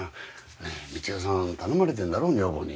ねえ光代さん頼まれてるんだろ女房に。